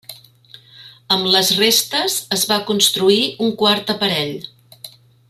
Amb les restes es va construir un quart aparell.